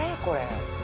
これ。